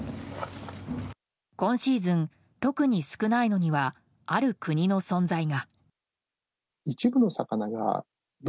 今シーズン特に少ないのにはある国の存在が。